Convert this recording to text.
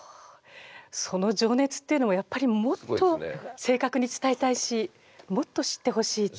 その情熱っていうのもやっぱりもっと正確に伝えたいしもっと知ってほしいっていう。